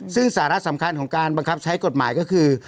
ซึ่งสาระสำคัญของการบังคับใช้กฎหมายก็คือ